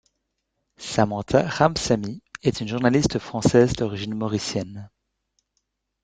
Samantha Ramsamy est une journaliste française d'origine mauricienne.